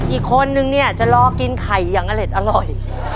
อีกคนนึงเนี่ยจะรอกินไข่อย่างอเล็ดอร่อย